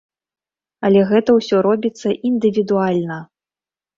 Але гэта ўсё робіцца індывідуальна.